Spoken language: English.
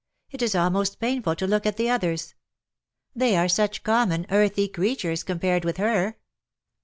It is almost painful to look at the others. They are such common earthy creatures, compared with her